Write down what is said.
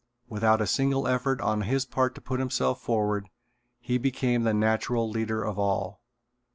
Without a single effort on his part to put himself forward, he became the natural leader of all.